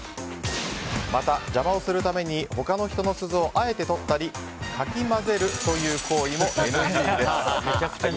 また、邪魔をするために他の人の鈴をあえて取ったりかき混ぜるという行為もＮＧです。